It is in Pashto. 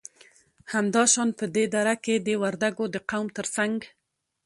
همدا شان په دې دره کې د وردگو د قوم تر څنگ